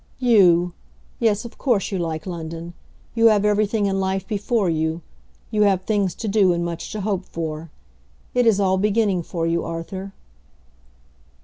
"You! Yes, of course you like London. You have everything in life before you. You have things to do, and much to hope for. It is all beginning for you, Arthur."